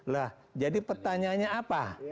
lah jadi pertanyaannya apa